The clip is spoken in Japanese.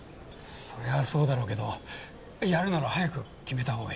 そりゃそうだろうけどやるなら早く決めたほうがいい。